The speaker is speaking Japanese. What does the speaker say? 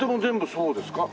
そうですね。